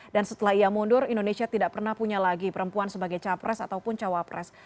dan setelah ia mundur indonesia tidak pernah punya lagi perempuan sebagai capres ataupun cawapres